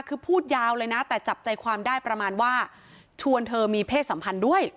คือพูดยาวเลยนะแต่จับใจความได้ประมาณว่าชวนเธอมีเพศสัมพันธ์ด้วย